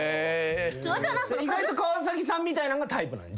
意外と川崎さんみたいなんがタイプなん？